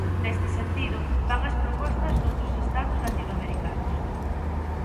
Neste sentido, van as propostas noutros Estados latinoamericanos.